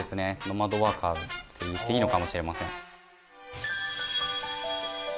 ノマドワーカーっていっていいのかもしれません。